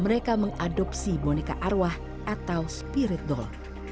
mereka mengadopsi boneka arwah atau spirit doll